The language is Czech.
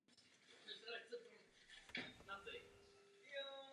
Tyto osoby proto rozvíjely své aktivity většinou v rámci Svazu protifašistických bojovníků.